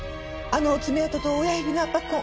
あの爪痕と親指の圧迫痕